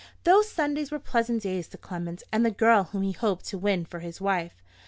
Those Sundays were pleasant days to Clement and the girl whom he hoped to win for his wife.